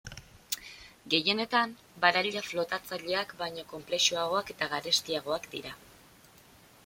Gehienetan baraila flotatzaileak baino konplexuagoak eta garestiagoak dira.